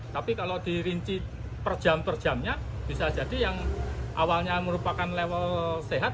tapi kalau dirinci per jam per jamnya bisa jadi yang awalnya merupakan level sehat